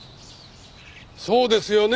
そうですよね？